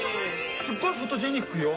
すっごいフォトジェニックよ。